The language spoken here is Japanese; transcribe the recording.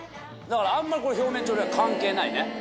だからあんまり表面張力関係ないね。